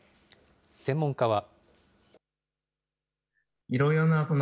専門家は。